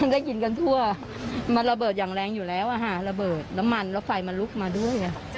ก็กินกันทั่วมันระเบิดอย่างแรงอยู่แล้วระเบิดน้ำมันแล้วไฟมันลุกมาด้วยไง